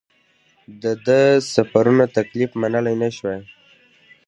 ده د سفرونو تکلیف منلای نه شوای.